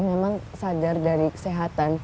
memang sadar dari kesehatan